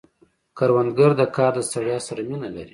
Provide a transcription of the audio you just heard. کروندګر د کار د ستړیا سره مینه لري